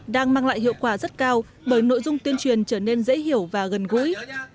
đang mang lại hiệu quả rất cao bởi nội dung tuyên truyền trở nên dễ hiểu và gần gũi